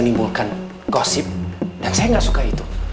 menimbulkan gosip dan saya gak suka itu